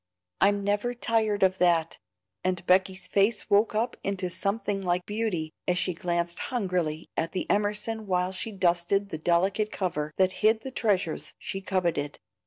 I'm never tired of that;" and Becky's face woke up into something like beauty as she glanced hungrily at the Emerson while she dusted the delicate cover that hid the treasures she coveted.